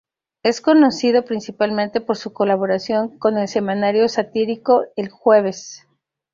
Es conocido principalmente por su colaboración con el semanario satírico "El Jueves".